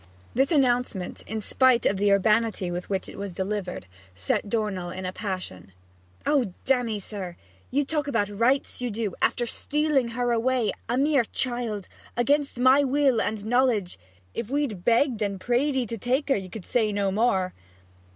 This announcement, in spite of the urbanity with which it was delivered, set Dornell in a passion. 'Oh dammy, sir; you talk about rights, you do, after stealing her away, a mere child, against my will and knowledge! If we'd begged and prayed 'ee to take her, you could say no more.'